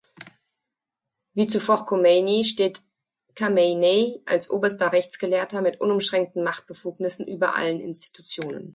Wie zuvor Chomeini steht Chamene’i als Oberster Rechtsgelehrter mit unumschränkten Machtbefugnissen über allen Institutionen.